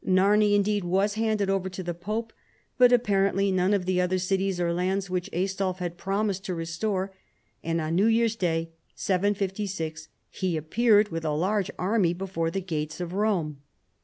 Narni indeed was handed over to the pope, but apparently none of the other cities or lands which Aistulf had promised to restore ; and on New Year's day, 756, he appeared with a large army before the gates of Rome.